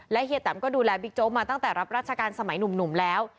เฮียแตมก็ดูแลบิ๊กโจ๊กมาตั้งแต่รับราชการสมัยหนุ่มแล้ว